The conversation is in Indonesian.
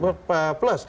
kartu jakarta plus